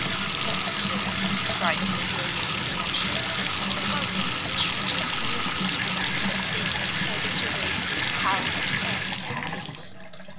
"O Sir," cried Cecilia, with emotion, "how deep a trench of real misery do you sink, in order to raise this pile of fancied happiness!